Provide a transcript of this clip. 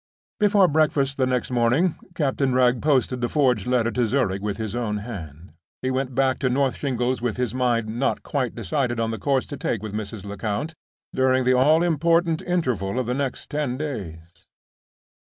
Before breakfast the next morning, Captain Wragge posted the forged letter to Zurich with his own hand. He went back to North Shingles with his mind not quite decided on the course to take with Mrs. Lecount during the all important interval of the next ten days.